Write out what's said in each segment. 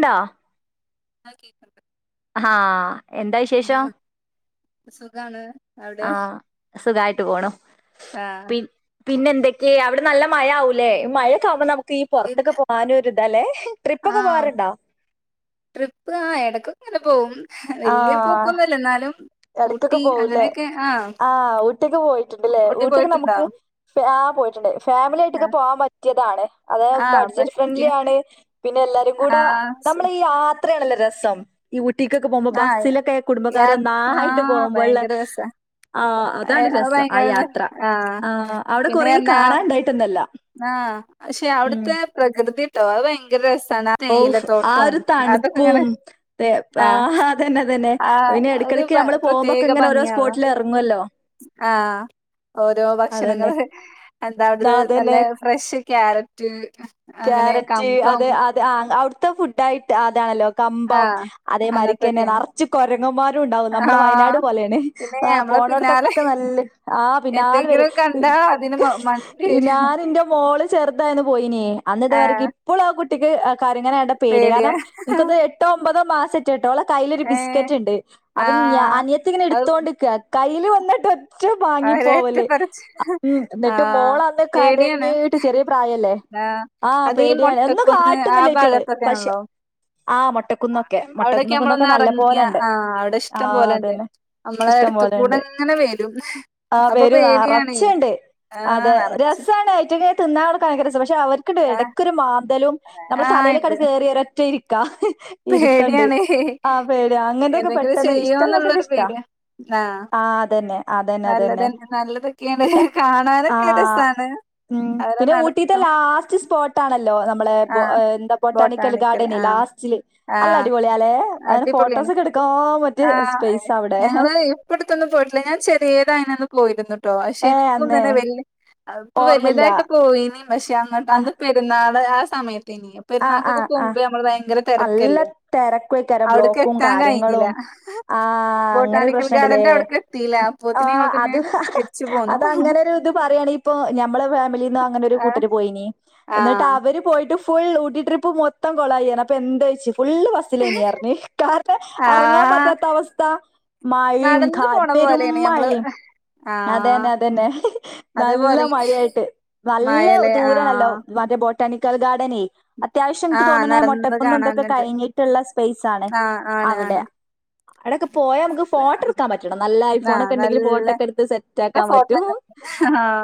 ണ്ടാ ആ [unintelligible] ഹാ. എന്താ വിശേഷം. സുഖാണ്. അവിടെ ആഹ. സുഖയിട്ട് പോണു. ആഹ് പി പിന്നെ എന്തൊക്കെയ അവിടെ നല്ല മഴ ആവു ല്ലെ, മഴൊക്ക ആവുമ്പോ നമുക്ക് ഈ ഇല്ല പൊറത്തൊക്കെ പോവാനൊരിതാ ല്ലേ. ട്രിപ്പ ഒക്കെ ആഹ് പോകാർണ്ടോ.? ട്രിപ്പ്, ആ എടക്ക് ഒക്കെ ഇങ്ങനെ പോവും. വല്ല്യ പോക്കൊന്നുംല്ല ന്നാലും. എടക്കൊക്കെ പോകുല്ലേ. ആ ഊട്ടിക്ക് പോയിട്ടുണ്ട് ല്ലേ. ഊട്ടി ഊട്ടിക്ക് പോയിട്ടുണ്ടോ നമുക്ക്. ആ പോയിട്ടുണ്ട്. ഫാമിലി ആയിട്ടൊക്കെ ആഹ് പോവാൻ പറ്റിയതാണ്. അത് ആഹ് ബഡ്ജറ്റ് ഫ്രണ്ട്ലി പറ്റിയ ആണ്. പിന്നെ എല്ലാരും കൂടെ ആഹ് സു നമ്മള് ഈ ആ [inaudible] ത്രയാണല്ലോ രസം. ഈ ഊട്ടിക്കക്കെ പോകുമ്പോ ബസിലൊക്കെ കുടുംബകാര് വന്ന് ആ ഭയങ്കര രസാ. ആ അതാണ് ഏഹ് അത് രസം. ആ ഭയങ്കര ര യാത്ര. ആഹ് ആ അവിടെ കൊറേ കാണാണ്ടായിട്ടൊന്നു അല്ല. ആഹ, ക്ഷെ അവിടുത്തെ പ്രകൃതി ട്ടോ അത് ഭയങ്കര രസാണ്. ഓഫ്! ആ തേയിലത്തോട്ടം ഒരു തണുപ്പും അതൊക്കെങ്ങനെ [unintelligible] ആ ആഹ് അതന്നെ അതന്നെ. ആഹ് പിന്നെ ആ ഒരു ഭ ഇടക്കിടക്ക് നമ്മള് പോകുമ്പൊക്കെ ഇങ്ങനെ ഓരോ സ്പോട്ടില് എറെങ്ങ്വല്ലോ. ആഹ. ഓരോ അതന്നെ ഭക്ഷണങ്ങള്. എന്താ ആ, ത് നല്ല. അതന്നെ ഫ്രഷ് ക്യാരറ്റ്, അങ്ങനെ ക്യാരറ്റ്, കമ്പം അതെ അത് ആ. അവിടുത്തെ ഫുഡ് ആയിട്ട് അതാല്ലോ. കമ്പം. ആഹ് അതേമാരിക്കന്നെ അങ്ങനത്തൊക്കെയാണ്. നറച്ച് കൊരങ്ങന്മാരും ണ്ടാവും. നമ്മളെ വയനാട് ആഹ് പോലേണ്. പിന്നെ ആ. നമ്മളെ പിന്നാലെ പോണോട്ത്തൊക്കെ നല്ല ആ പിന്നാലെ വരും. എന്തെങ്കിലും കണ്ടാ അതിന് മ [unintelligible] മണ്ടി വരും. പിന്നാലെ ന്റെ [unintelligible] മോള് ചെറുതായന്ന് പോയിനെ. അന്നത്തവർക്ക് ആഹ് ഇപ്പളും ആ കുട്ടിക്ക് ആ [unintelligible] കരങ്ങനെ കണ്ടാ പേടിയാ. കാരണം ഇൻക്കന്ന് എട്ടോ ഒമ്പതോ മാസം കേട്ടോ? ഓളെ കയ്യിലൊരു ബിസ്ക്കറ്റ് ഏഹ് ണ്ട്. അപ്പൊ ഞ ആഹ് അനിയത്തി ഇങ്ങനെ അത് എടുത്തോണ്ടിക്കാ. കയ്യിൽ വന്നിട്ട് ഒറ്റ. റ്റ അവരേറ്റ വാങ്ങിപ്പോവല്. പറച്ചില് [unintelligible] എന്നിട്ട് ആഹ് മോളന്ന് പേടിയാണ് കരഞ്ഞീട്ട് ചെറിയ പ്രായല്ലേ. ആഹ് അത് ഈ പേടിയാണ് എന്നും മൊട്ടക്കുന്ന് ആ കാട്ടൊന്നുല്ല ഐറ്റങ്ങള്. പക്ഷെ. ഭാഗത്തൊക്കെയാണല്ലോ ആഹ്. മൊട്ടക്കുന്നൊക്കെ. അവിടൊക്കെ മൊട്ടന്ന് കുന്നൊക്കെ നമ്മളൊന്ന് നല്ല എറങ്ങിയ പോലെ ഉണ്ട്. ആഹ് അവിടെ ആ ഇഷ്ടം പോലെണ്ട്. അതന്നെ. നമ്മളെ ഇഷ്ടം അടുത്ത് കൂടെ പോലെണ്ട്. അങ്ങനെ വരും ആ അപ്പൊ വരും. ആ പേടിയാണേ അറച്ചുണ്ട്. ആഹ് അതെ നറച്ച് രസാണ്. അയിറ്റ [unintelligible] തിന്നാൻ കൊട്ക്കാൻ ഭങ്കര രസാ. പക്ഷെ അവർക്ക്ണ്ട് ആഹ് എടക്കൊരു മാന്തലും, നമ്മളെ ആഹ് തലേലൊക്കെ ഇണ്ട് കേറിയൊരറ്റ ഇരിക്ക. കാ [unintelligible] ഇരുത്തണ്ട്. പേടിയാണ് ആ പേട്യാ. അങ്ങനൊക്കെ എന്തെങ്കിലും പെട്ടെന്ന് ഇഷ്ടല്ലാത്തതൊക്കെ ചെയ്യോന്നുള്ളൊരു ഇഷ്ടാ. പേടിയാ ആ അതന്നെ. അതന്നെ അതന്നെ നല്ലതന്ന. നല്ലതൊക്കെ [unintelligible] കാണാനൊക്കെ ആഹ് രസാണ്. ഉം. അവരെ പിന്നെ ഊട്ടിത്തെ നടത്തും ലാസ്റ്റ് [unintelligible] സ്പോട്ടാണല്ലോ നമ്മളെ ആഹ് എന്താ ബൊട്ടാണിക്കൽ ബോട്ടാണിക്കൽ ഗാർഡന് ആഹ് ലാസ്റ്റ് അല്ല ആഹ് അടിപൊളിയാലെ? അങ്ങനെ അടിപൊളിയാണ് ഫോട്ടോസൊക്കെ എടുക്കാൻ പറ്റിയ സ്പേയസാ അവിടെ ഇപ്പടത്തൊന്നും പോയിട്ടില്ല. ഞാൻ ചെറിയതായിതിനനൊന്ന് പോയിരുന്നു ട്ടോ പക്ഷെ ഏഹ് എനിക്കും അന്നേ തന്നെ വലിയ ഇപ്പൊ ഓർമ്മയില്ല വലിയതായിട്ട് പോയിനെ പക്ഷെ അങ്ങോട്ട് ആഹ് അന്ന് പെരുന്നാള് ആ സമയത്ത്നിയും. ആഹ് പെരുന്നാക്കൊക്കെ ആഹ് ആഹ് പോകുമ്പോ നമ്മള് ഭയങ്കര നല്ല തിരക്കല്ലേ. തെരക്കുവേക്കാരം അവിടൊക്കെ ബ്ലോക്കും എത്താൻ കഴിഞ്ഞില്ല. കാര്യങ്ങളും ആഹ് അങ്ങനൊരു ബോട്ടാണിക്കൽ പ്രശ്നണ്ട്ലേ. ഗാർഡന്റെ അവിടെ എത്തിയല്ല. അപ്പത്തിെ ഞങ്ങൾ പിന്നെ തി അത അങ്ങനെ ഒരു ഇത് പറയാണെ ഇപ്പൊ ഞമ്മെ ഫാമിലിന്നന്ന് അങ്ങനെ ഒരു കൂട്ടർ പോയിനി ആ എന്നിട്ട് അവ അവര് പോയിട്ട് ഫുൾ ഊട്ടി ട്രിപ്പ് മൊത്തം കൊളയി അപ്പൊ എന്താെച്ച് ഫുൾ ഫ ഇനി അറി ക ആ ഇറങ്ങാൻ പറ്റാത്ത അവസ്ഥ മായയും നടന്നു കാ പോണ പോലെയാണ് നമ്മള് അതെ തന്നെ അതെ തന്നെ നല്ല അതേപോലെ മഴയായിട്ട് നല്ല മയല് ആ ദൂരണല്ലോ മറ്റേ ബോട്ട ബൊട്ടാനിക്കൽ ഗാർഡനേ അത്യാവശ്യം ആ എനിക്ക് തോന്നണ മ നടന്ന് മുൊട്ടക്കന്ന്ന്തൊെ കാണാനുണ്ട് കഴിഞ്ഞി ടള്ള സ്പേയ്സ് ആണ് ആ ആണ് അവിടെ ആണ് അവിടെൊക്കെ പോയാ നമക്ക് ഫോട്ടോ എടുക്കാൻ പറ്റണം നല്ല ആ ഐഫോൺൊക്കെ ഉണ്ടെങ്കിൽ ഫോട്ടോൊക്കെ എടുത്ത് സെറ്റ്ക്കാൻ പറ്റും ആഹ്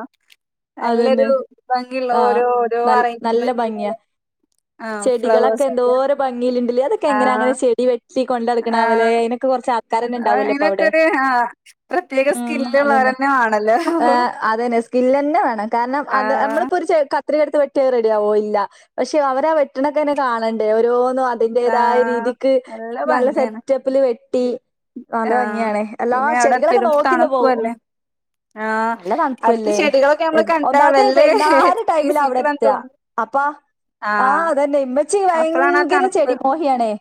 നല്ലൊരു അതന്നെ ഭംഗിയുള്ള ആ ഓരോ ഓരോ നൽ നല്ല അറേഞ്ച്മെന്റ് ഭംഗിയാ ആഹ് ഫ്ലവേഴ്സ് ഒക്കെ ഭിയിലുണ്ട് ആ അതൊെങ്ങനെ അങ്ങന്നെ ചെടി വെ സീ കൊണ്ടടുക്കണ ആ പോലെ അൊക്ക് കൊറച്ച ആൾക്കാര തന്നെ ഉണ്ടാവലോപ്പൊ അതിനൊക്കെ അവിടെ ഒരു ആ പ്രത്യേക ഉം അത് സ്കില്ലുള്ളവർ തന്നെ ആണല്ലോ അതെ തന്നെ സ്കില് തന്നെ വേണം കാരണം ആ അത് നമ്മളിപ്പോ ഒരു ചെ ക കത്രിക എടുത്ത് വെട്ടിയ റെഡിയ ആവോയില്ല പക്ഷെ അവരാ വെട്ടണൊക്കെന്നെ കാണണ്ടേ ഓരോന്നും ആ അതിന്റെതായ രീതിക്ക് നല്ല സെറ്റപ്പില് വെട്ടി നല്ല ആഹ് ഭംഗിയണേ എല്ലാ പിന്നെ അവിടെ ചെടികളൊക്കെ പെരും നോക്കിന്ന് തണുപ്പു പോവും അല്ലേ ആഹ് നല്ല അടുത്ത തണപ്പല്ലേ ചെടികളൊക്കെ നമ്മള് കണ്ടാ ഒന്നാമത് വെല്ലേ വൈന്നാര ടൈമിൽ അവിടെ കീസിക്ക്ണന്ന് എത്ത തോന്നും അപ്പാ ആഹ് അതന്നെ ഇമ്മച്ചി അപ്പളാണ് ആ ഭയങ്കര തണുപ്പ് ചെടി മോഹിയണേ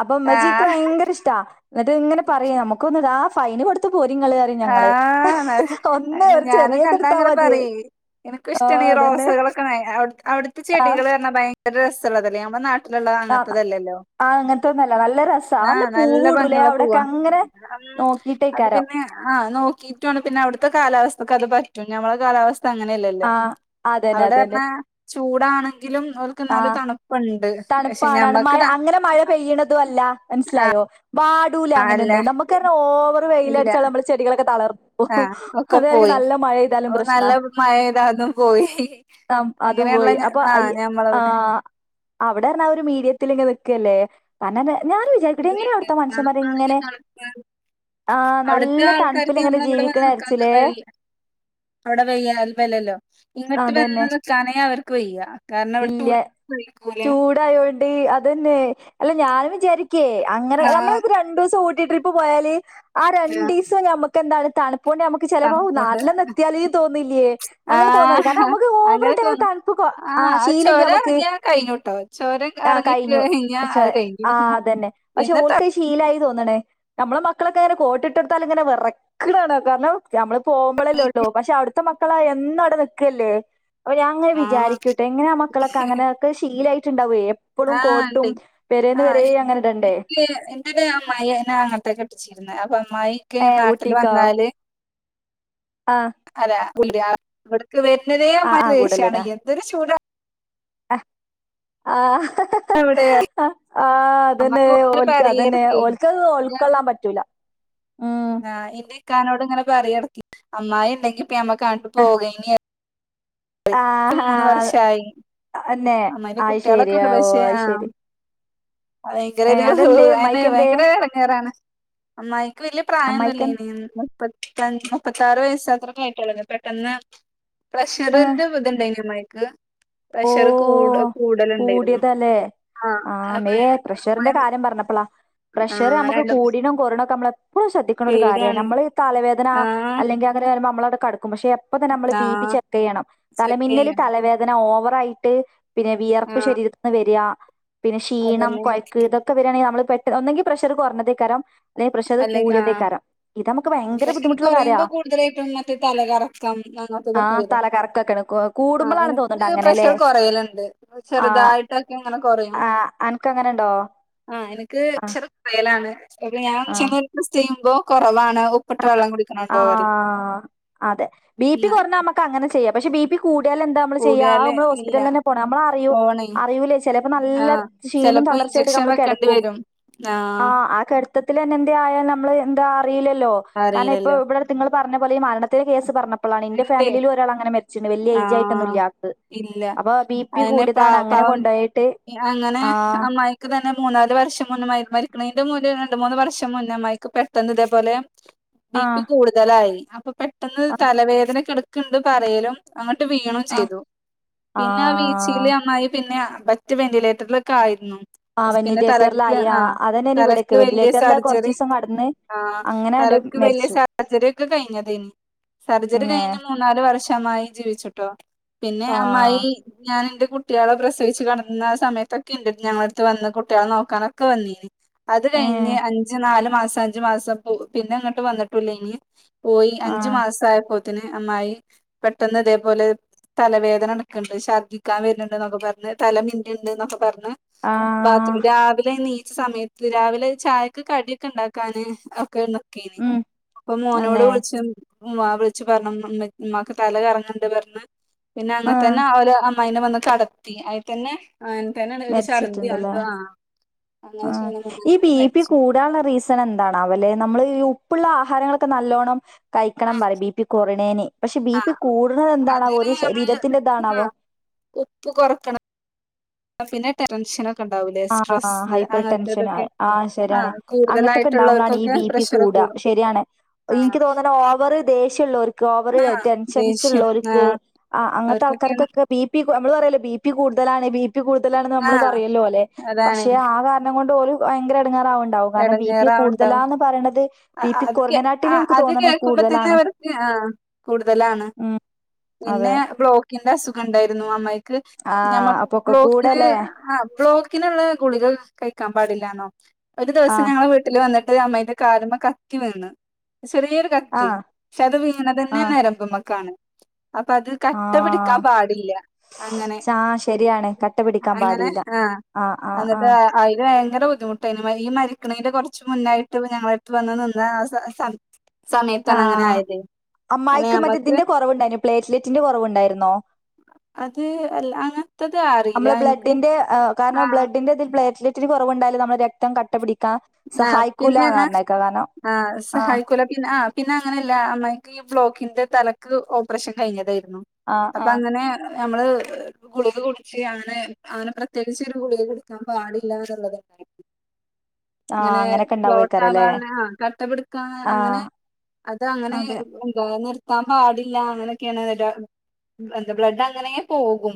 അപ്പൊ ഇമ്മജിക്ക് ആഹ് ഭയങ്കര ഇഷ്ട എന്നിട്ട് ഇങ്ങനെ പറയാ നമുക്ക് വന്നതാ ഫൈന് കൊടുത്തു പോരി ഇങ്ങള് ആഹ് ഞാനും കണ്ട ചെറിയതെടുത്താ അങ്ങനെ മതി പറ എനിക്ക ആ ഇഷ്ടാണ് ഈ അതന്നെ റോസ്കളെ ക്കെ അവിടുത്തെ ആ ചെടികൾ പറഞ്ഞാ ഭയങ്കര രസമുള്ളതല്ലേ നമ്മുടെ നാട്ടിലുള്ള ആ അങ്ങനത്തതല്ലല്ലോ ആ അങ്ങനത്തെൊന്നുംല്ല നല്ല രസ നല്ല ആഹ് പൂവൂടൂലേ ഭംഗിയുള്ള അവിടെൊക്കെ പൂവാ അങ്ങനെ നോക്കി അത് പിന്നെ ആ നോക്കിയിട്ടുണ് പിന്നെ അവിടുത്തെ കാലാവസ്ഥക്ക് അത് പറ്റും ഞമ്മളെ കാലാവസ്ഥ അങ്ങനെയല്ലല്ലോ ആ അതന്നെ അവിടെ അതന്നെ പറഞ്ഞാ ചൂടാണെങ്കിലും അവക്ക് നല്ല തണു പ്പ് ഉണ്ട് തണുപ്പണാണ് മഴ അങ്ങനെ മഴ പെയ്യണത അല്ല മനസ്സിലായോ വാ ട്ടൂലാ അല്ല അങ്ങനെന്ന നുക്കാര ഓവർ ഇല്ല വെയിലൽടാ നമ്മ ചെികളൊക്കെ തളന്നു ഓ ആഹ് ഒക്കെ അതായിർരിക്കും പോയി നല്ല മഴെയ്താലും നല്ല പ്രശ് മഴെയ്താ അതും പോയി അതും അങ്ങനെയുള്ള പോയി അപ്പൊ ആഹ് അയ് ഞമ്മളവിടെ ആഹ് അവിടൊ ഒരു മീഡിയത്തിൽ ഇ നിൽക്കുവല്ലേ തന്ന ഞാനും വിജ അങ്ങനെ ഉണ്ട് തണുപ്പാണെങ്കിൽ തണുപ്പ് ആഹ് അവിടുത്തെ നല്ല ആൾക്കാർക്ക് തണുപ്പിൽ ഇങ്ങനെ ങ്ങമ്മളെ ഇവിടെ ജീവിക്കണ വന്ന് നിക്കാൻ വിചാരിച്ചില്ലേ കഴിയില്ല അവിടെ വെയ്യല്ല്ലല്ലോ ഇങ്ങിട്ട് വന്ന് അതന്നെ നിൽക്കാനേ അവർക്ക് വെയ്യ കാരണം അവിടെ ചൂട് പെയ്ക്കുലെ ഇാതായൊണ്ട് അതന്നെ അല്ല ഞാനും വിചാരിക്കേ അങ്ങനെ നമ്മള ആഹ് രണ്ടു ദിവസം ഊട്ടിയ ട്രിപ്പ് പോയാല് ആ രണ്ട് ദിവസം ഞമ്മുക്ക എന്താണ് തണുപ്പോണ്ട് ഞമുക്ക് ചിലപ്പം തണുപ്പോണ്ട് നട്ടിലിൽ തന്നെ എത്തിയാൽ തോന്നില്ലേ അങ്ങനെ തോന്ന കാരണം ആഹ് നമക്ക് അങ്ങനെ ഓവറായിട്ട് തോന്നും അങ്ങനെ ആ ആഹ് ശീലല്ലേ ചൊര നമ്മുക്ക് എറങ്ങിയാ കഴിഞ്ഞുട്ടോ ചോര ഇറങ്ങി കഴിഞ്ഞ പക്ഷേ അത് കഴിഞ്ഞു ആ അതന്നെ. പക്ഷെ പിന്നെ ത ഓൽക്കത് ശീലായി തോന്നണേ നമ്മളെ മക്കളൊക്കെ അങ്ങനെ കോട്ടിട്ടെടുത്താൽ ഇങ്ങനെ വിറക്കണാണ് കാരണം നമ്മള് പോകുമ്പോളല്ലേ ഉള്ളൂ പക്ഷെ അവിടുത്തെ മക്കളാ എന്നും അവിടെ നിക്കല്ലേ അവര് അങ്ങനെ വിചാരിക്കൂോട്ടെ എങ്ങനെ ആഹ് വിജാരിക്കും എങ്ങനെ ആ മക്കളൊക്കെ അങ്ങനെൊക്കെ ശീലായിട്ടുണ്ടാവും എപ്പോഴും ആഹ് ഇണ്ട് കോട്ടും പെരോന്ന്‌വര അങ്ങനെ ഇടണ്ടേ അേ അമ്മായിനെ അങ്ങോട്ടേ കെട്ടിച്ചിരുന്നേ അപ്പൊ അമ്മയി [unintelligible] കെ ഏ നാട്ടിൽ ഊട്ടിക്കോ? വന്നാല് ആഹ് അല്ലല്ല ഇവിടക്ക് വരുന്നതേ ആഹ് മാര് ആഹ് ദേഷ്യാണ് എന്തൊരു ചൂട അ ആ ഹ ഹ അവിടെ ആ ആ അതന്നെഓ അതന്നെ പറയടക്കെ ഓൽക്ക ൾക്കൊള്ളാൻ പറ്റൂല ഉം ആ എന്റെ ഇക്കാനോട്ങ്ങനെ പറടക്കി അമ്മായി ഉണ്ടെങ്കിൽ ഞമ്മക്ക് അങ്ങോട്ട് പോകൈനീ ആഹ വർഷായി എന്നന്നെ അമ്മായിന്റെ ആ ശരി കുട്ടികളൊക്കെ ഉണ്ട് ഓ പക്ഷെ ആ ആഹ് ശരി ഭയങ്കര ഏ ഒരു അതെന്തേ അെനേ അമ്മായിക്കെന്തേ ഭയങ്കര എടങ്ങാറാണ് അമ്മായിക്ക് വല്യ പ്രായൊന്നും ഇല്ലേ അമ്മായിക്കെന്ത് ഇനി മുപ്പതി മുപ്പത്താറ് വയസ്ത്രായിട്ടുള്ള പെട്ടെന്ന് പ്രഷർ ആ ഇതുണ്ടായി അമ്മക്ക് ഓ പ്രഷർ കൂട് കൂടല് ഉണ്ടായിരുന്നു ആ മയെ പ്രഷറിന്റെ കാര്യം പറഞ്ഞപ്പളാ പ്രഷർ ആഹ് നമുക്ക് രണ്ടും കൂടിനും കൊറണോ ഒക്കെ നമ്മള എപ്പോഴും ശ്രദ്ധിക്കണ ഒരു കാര്യമാണ് പേടിയാണ് നമ്മള് തലവേദന ആഹ് അല്ലെങ്കിൽ വരുമ്പോൾ നമ്മള് അങ്ങട് കിടക്കും പക്ഷെ അപ്പോ തന്നെ നമ്മള് ബിപി ആഹ് ചെക്ക് ചെയ്യണം ചെക്ക് തലമിന്നൽ ചെയ്യണം തലവേദന ഓവർ യിട്ട് പിന്നെ വിയർപ്പ് ആഹ് ശരീരത്തിന്ന് വരിക പിന്നെ ക്ഷീണം അതന്നെ കൊയക്ക് ഒക്കെ വരിയാണെങ്കിൽ നമ്മ പെട്ടന്ന് ഒന്നെങ്കിൽ പ്രഷറ് കുറഞ്ഞതേക്കരം അല്ലെങ്കിൽ പ്രഷർ അല്ലെങ്കിൽ ആഹ് കൂടിയതേക്കാരം ഇത് ഞമ്മക്ക് ഭയങ്കര പ്രഷർ ബുദ്ധിമുട്ടുള്ള കാര്യമാ കുറയുമ്പോ കൂടുതലായിട്ടും മറ്റേ തലകറക്കം ആ അങ്ങനത്തതൊക്കെ വരും തലകറക്കൊക്കെ ആഹ് കൂടുമ്പളാണ്‌ തോന്നണ്ട എനിക്ക് അങ്ങനെ [unintelligible] പ്രഷർ കുറലുണ്ട് ചെറുതായിട്ടൊക്കെ ഇങ്ങനെ കുറയും ആ അനക്ക് അങ്ങനെ ഉണ്ടോ ആഹ എനിക്ക് കുറയലാണ് ഞാൻ ആഹ് ഉച്ചക്ക് ടെസ്റ്റ്‌ ചെയ്യുമ്പോ കുറവാണ് ഉപ്പിട്ട വെള്ളം കു ആ അതെ ബി പി ഉം കുറഞ്ഞാ നമ്മക്ക് അങ്ങനെ ചെയ്യാം പക്ഷെ ബി പി കൂടിയാൽ എന്താ നമ്മള് ചെയ്യാ കൂടിയാല് ഇല്ല ഹോസ്പിറ്റല് തന്നേ പോണം നമ്മ പോണേ അറിയുല്ലേ ചിലപ്പോ ആഹ് നല്ലക്ഷീണോം ചെലപ്പോ ഇഞ്ചക്ഷൻ തളർച്ചയായി വെക്കേണ്ടി വരും ആ ആഹ് ആ കിടത്തത്തിൽ ൽന്നെ എന്ത് ആയാലൽ നമ്മള് എന്താ അറിയില്ലല്ലോ ആ അറിയില്ലല്ലോ ഇവിടെടുത്ത് നിങ്ങ പറഞ്ഞ പോലെ മരണം കേസ് പറഞ്ഞപ്പോഴാണ് എന്റെ ഇണ്ട് ഫാമിലിലും ഒരാൾങ്ങെനെ മരിച്ചിട്ടണ്ട് വലിയ ഏജായിട്ടൊന്നും ആഹ് ഇല്ലാ ആൾക് ഇല്ല അയിെന് പം കൊണ്ടുപോയിട്ട് അങ്ങനെ ആഹ് അമ്മയി [unintelligible] ക്ക് തന്നെ മൂന്നാല് വർഷം മുന്നേ മരിക്കുന്നതിന്റെ രണ്ട് മൂന്ന് വർഷം മുന്നേ അയിക്ക് [unintelligible] പെട്ടെന്ന് ഇതേപോലെ ബി പി ആഹ് കൂടുതലായി അപ്പൊ പെട്ടെന്ന് ആഹ് തലവേദന കിടക്കുന്നുണ്ട് പറയലും അങ്ങട്ട് വീണം ആഹ് ചെയ്തു പിന്നെ ആ വി ആഹ് ശീല അമ്മായി പിന്നെ മറ്റ് വെന്റിലേറ്ററിലൊക്കെ ആയിരുന്നു ആ പിന്നെ തലക്ക് വെന്റിലേറ്ററിലായി ആ ആഹ അതന്നെയാണ് ഇവിടേക്ക് തലക്ക് വലിയ വെന്റിലേറ്ററില് സർജറി കൊറച്ചീസം കടന്ന് ആഹ അങ്ങനാണ്ട് തലക്ക് വലിയ മരിച്ചു സർജറിക്കെ കഴിഞ്ഞതേനു സർജറി ന്നെ കഴിഞ്ഞ് മൂന്നാല് വർഷം അമ്മായി ജീവിച്ചിട്ടോ പിന്നെ ആഹ് അമ്മായി ഞാനിന്റെ കുട്ടികളെ പ്രസവിച്ചു കിടന്ന സമയത്തൊക്കെ ഇണ്ട് ഞങ്ങള അടുത്ത് വന്ന് കുട്ടികളെ നോക്കാനൊക്കെ വന്നീന് അത് കഴിഞ്ഞ് ഏഹ് അഞ്ച് നാല് മാസം അഞ്ചു മാസം പിന്നെ അങ്ങോട്ട് വന്നിട്ടില്ല ഇനി പോയി അഞ്ചു ആഹ് മാസയപ്പോത്തിന് അമ്മായി പെട്ടെന്ന് അതേപോലെ തലവേദന നടക്കുണ്ട് ഛർദ്ദിക്കാൻ വരുന്നുണ്ട് എന്നൊക്കെ പറഞ്ഞ് തല മിന്നുണ്ട് എന്നൊക്കെ പറഞ്ഞ് ആഹ് ബാത്റൂം രാവിലെ എണിച്ച സമയത്ത് രാവിലെ ചായൊക്കെ കടിയൊക്കെ ഉണ്ടാക്കാന് ഒക്കെ ഉണ്ട് ഒക്കെ എനി ഉം അപ്പ മോനോട് അന്നെ വിളി ച്ചും ഉമ്മാ വിളിച്ച് പറഞ്ഞ ഉമ്മാക്ക് തല കറങ്ങണ്ട് പറഞ്ഞ് പിന്നെ അങ്ങനെ ആഹ് തന്നെ അവൽ അമ്മായിനെ വന്ന് കടത്തി അയി തന്നെ അങ്ങനെ തന്നെ ഒരു ഛർദ്ദി മരിച്ചിട്ടുണ്ടല്ലേ ഉണ്ടോ ആ അങ്ങനെ ക്ഷീണം മ [unintelligible] ഉൂടാന റീസ് [unintelligible] എന്താണ് അല്ലെ നമ്മള് ഈ ഉപ്പുള്ള ആഹാരങ്ങളൊക്കെ നല്ലോണം ആ കഴിക്കണം പറ ബി പി കുറണേന് പക്ഷെ ബി ആ പി കൂടുന്നത് എന്താണാവോ അതിന് ഒരു നമ്മള് ആ ശരീരത്തിന്റെതാണാവോ ഉപ്പ് കുറക്കണം പിന്നെ ടെൻഷനും ഒക്കെ ണ്ടാവൂല്ലേ ആ സ്ട്രെസ്സ് ഹൈപ്പർ ടെൻഷൻ അങ്ങൻത്തെതൊക്കെ ആ ശരിയാണ് ആഹ് അങ്ങനത്തൊക്കെ ഉണ്ടാവുമ്പോളാണ് ഈ കൂടുതലായിട്ടുള്ളവർക്കൊക്കെ ബി പി പ്രഷ റ് കൂടാ കൂടും ശരിയാണ് ആ ഇൻക്ക് തോന്ന്ണ് ഓവർ ദേഷ്യള്ളൊര് ക്ക് ഓവറ് ആ ടെൻഷൻസ് ദേഷ്യം ള്ളോ ആ ൽക്ക് ആ അങ്ങൻത്തെ അവർക്കൊക്കെയാണ് ആൾക്കാർക്കൊക്കെ ബി പി നമ്മള് പറയല്ലോ ബി പി കൂടുതലാണ് ബി പി കൂടുതലാണ്‌ ആ നമ്മള് പറയല്ലോ അല്ലെ അതാണ് പക്ഷെ ആ കാരണം കൊണ്ട് ഓല് ഭയങ്കര എടങ്ങേറാവ് ണ്ടാവും കാരണം ബി പി എടങ്ങേറാവുണ്ടാവും കൂടുതലാന്ന് പറിണത് ബി പി അത് കേ ആ കുറഞ്ഞനാട്ടിലും ഇൻക്ക് അത് തോന്ന്ണേ കേൾക്കുമ്പോ തന്നെ കൂടുതലാണ് അവർക്ക് ആ കൂടുതലാണ് ഉം പിന്നെ അതെ ബ്ലോ ക്കിന്റെ അസുഖം ണ്ടായിരുന്നു അമ്മായിക്ക് ആ നമ്മക്ക് അപ്പൊക്കെ ബ്ലോക്കിന് കൂടെല്ലേ ആ ബ്ലോ ക്കിന് നമ്മള് ഗുളിക കഴിക്കാ പാടില്ലാന്നോ ഒര് ആ ദിവസം ഞങ്ങള വീട്ടില്‌ വന്നിട്ട് അമ്മായിന്റെ കാല്മ്മ കത്തി വീണ് ചെറിയൊര് ആ കത്തി പക്ഷെ അത് വീണ തന്നെ ആ നരമ്പ്മക്കാണ് അപ്പ അത് ആ കട്ടപിടിക്കാൻ പാടില്ല അങ്ങനെ ആ ശരിയാണ് കട്ട പിടിക്കാൻ അങ്ങനെ പാടില്ല ആ ആഹ് ആഹ് ന്നിട്ട് ആഹ് അയില്‌ ഭയങ്കര ബുദ്ധിമുട്ടേന്നു ഈ മരിക്ക്ണേന്റെ കുറച്ച് മുന്നായിട്ട് ഞങ്ങള അടുത്ത് വന്ന് നിന്ന ആ സ സമയത്താണ് അങ്ങനെ ആഹ് ആയത് അങ്ങനെ അമ്മായിക്ക് നമ്മക്ക് മറ്റേതിന്റെ കൊറവ് ണ്ടായി നോ പ്ലേറ്റ്ലെറ്റിന്റെ കുറ വ്ണ്ടായിരുന്നോ അത് അല്ല അങ്ങനത്തത് അറിയില്ല നമ്മള് എനിക്ക് ബ്ലഡിന്റെ ആ കാരണം ബ്ലഡിന്റെ ഇതിൽ പ്ലേറ്റ്ലെറ്റ് ഇത്തിരി കുറവുണ്ടായാല് നമ്മളെ രക്തം കട്ടപിടിക്കാം ആ പിന്നെ ഞ്ഞാ ആ ആഹ് സഹായി കൊല പിന്ന ആ പിന്നെ അങ്ങനെയല്ല അമ്മായിക്ക് ഈ ബ്ലോക്കിന്റെ തലക്ക് ഓപ്പറേ ഷം കഴിഞ്ഞതായിരുന്നു ആഹ് അപ്പം ആഹ് അങ്ങനെ ഞമ്മള് ഗുളിക കുടിച്ച് അങ്ങനെ അങ്ങനെ പ്രത്യേകിച്ചൊര്ഗുളിക കുടിക്കാപാടില്ല ന്ന്ള്ളത്ണ്ടായി ആഹ് അങ്ങനെ അങ്ങനൊക്കെ പ്ലോട്ട് ഇണ്ടാവോയ്ക്കാരല്ലേ ആവാള്ളേ ആ കട്ടപിടിക്കാ അങ്ങനെ ആഹ് അത് അങ്ങനെ അതെ എന്താ നിർ ത്താ പാടില്ല അങ്ങനെയൊക്കെണ് വരാ എന്ത ബ്ലഡ് അങ്ങനെ പോകും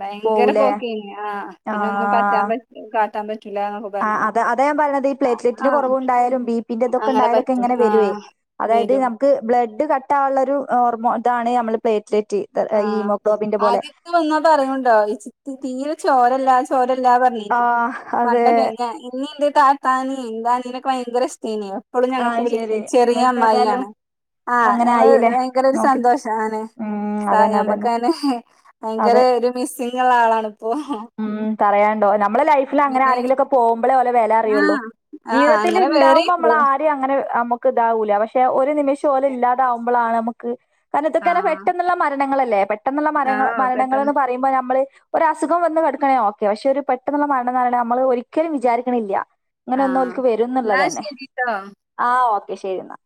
ഭയങ്കര പോവൂലേ പോക്കേ നി ആ പിന്നൊന്നും പറ്റാൻ ആഹ് പ കാട്ടാൻ പറ്റൂല ആഹ് അത അതാ ഞാപറിണത് പ്ലേറ്റ്ലെറ്റിന്റെ കുറവ് ഉണ്ടായാലും ബി പിന്റെ തൊക്കെണ്ടാ അങ്ങനെ യാലും ഒക്കെ പറ്റും ഇങ്ങനെ ആ വരും അതായത് വരും ഞമ്മ ക്ക് ബ്ലഡ് കട്ടാവാ ള്ളൊരു ഓർമോ ഇതാണ് നമ്മള പ്ലേറ്റ്ലെറ്റ് ആ ഹീമോ ഗ്ലോബിന്റെ പോലെ ആദ്യൊക്കെ വന്നാ പറയുണ്ടോ ഈ ചിത്തി തീരെ ചോരല്ല ചോരല്ല നേനി ആഹ് അതെ പണ്ടൊക്കെ ഞ ഇഞ്ഞിം ഇന്റെ താത്താനിം ഇന്റെ അനിയനൊക്കെ ഭയങ്കര ഇഷ്ടേനി എപ്പളും ഞങ്ങക്ക് ആഹ് ശെരി വിളിക്കും ചെറിയ അതിപ്പോ ഏതായാലും അമ്മായിയാണ് ആ അങ്ങനെ ഞമ്മള് ആയില്ലേ ഭയങ്കര ഒര് നോക്കി സന്തോഷം അങ്ങനെ ഉം സാ അതന്നെ അതന്നെ ഞമ്മക്ക് അങ്ങനെ ഭയങ്കര അതെ ഒര് മിസ്സിംഗ് ള്ള ആളാണിപ്പോ ഉം പറയണ്ടോ നമ്മള ലൈഫില് അങ്ങനെ പിന്നെ ആരെങ്കിലും ഒക്കെ പോകുമ്പളെ ഓലെ വെല അറിയൊള്ളൂ ആഹ് ആഹ് ജീവിതത്തിൽ അങ്ങനെ ഉണ്ടാവുമ്പോ വേറെണ്ട് നമ്മളാ ടിം അങ്ങനെ അമ്മ ക്ക് ഇതാവൂല പക്ഷെ ഒരു നിമിഷം ഓല് ല്ലാതാവുമ്പോളാണ് നമക്ക് കാരണം ഇതൊക്കെ റഞ്ഞാ ആഹ് പെട്ടെന്നുള്ള മരണങ്ങളല്ലേ പെട്ടെന്നുള്ള മരങ്ങ ആഹ് മരണങ്ങള് പെട്ടെന്ന് ന്ന്പറയുമ്പോ നമ്മള് ഒര് അസുഖം വന്ന് കെടക്കാണേ ഓക്കെപക്ഷെ ഒര് പെട്ടെന്നുള്ള മരണംന്ന് റിണേ നമ്മള് ഒരിക്കലും വിചാരിക്ക്ണ്ല്ല ങ്ങനെ ഒന്ന് ഓൽക്ക് വരും ന്ന്ള്ളതന്നെ ട്ടോ ആ ഓക്കെ ശരി ഇന്നാ